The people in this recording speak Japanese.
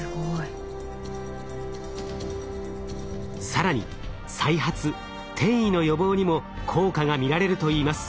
更に再発・転移の予防にも効果が見られるといいます。